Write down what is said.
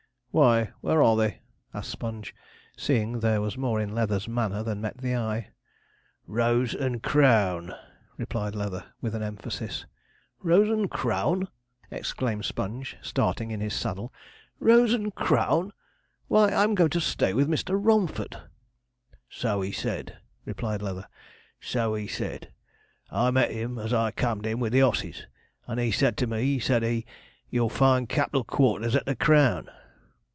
'Why, where are they?' asked Sponge, seeing there was more in Leather's manner than met the eye. 'Rose and Crown!' replied Leather, with an emphasis. 'Rose and Crown!' exclaimed Sponge, starting in his saddle; 'Rose and Crown! Why, I'm going to stay with Mr. Romford!' 'So he said.' replied Leather; 'so he said. I met him as I com'd in with the osses, and said he to me, said he, "You'll find captle quarters at the Crown!"'